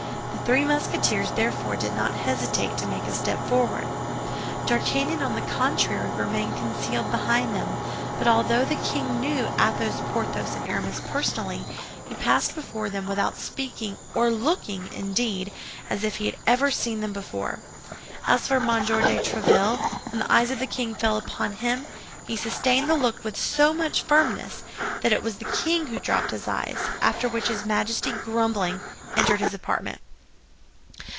The three Musketeers therefore did not hesitate to make a step forward. D'Artagnan on the contrary remained concealed behind them; but although the king knew Athos, Porthos, and Aramis personally, he passed before them without speaking or looking—indeed, as if he had never seen them before. As for M. de Tréville, when the eyes of the king fell upon him, he sustained the look with so much firmness that it was the king who dropped his eyes; after which his Majesty, grumbling, entered his apartment.